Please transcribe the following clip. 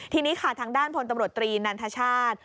ทีนี้ค่ะทางด้านพลตำรวจตรีนันทชาติ